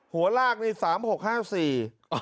หัวลากเนี่ย๓๖๕๔